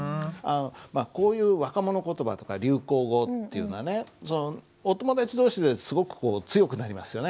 こういう若者言葉とか流行語っていうのはねお友達同士ですごく強くなりますよね。